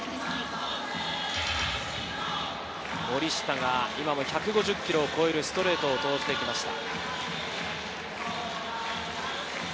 森下が１５０キロを超えるストレートを投じてきました。